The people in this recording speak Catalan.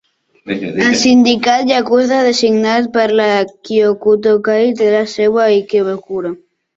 El sindicat yakuza designat per la Kyokuto-kai té la seu a Ikebukuro.